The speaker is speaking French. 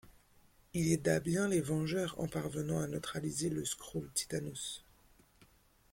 Il aida bien les Vengeurs en parvenant à neutraliser le skrull Titannus.